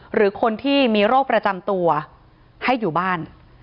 หรือคนที่มีโรคประจำตัวให้อยู่บ้าน